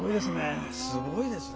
すごいですね。